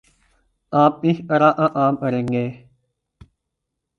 آپ کس طرح کا کام کریں گے؟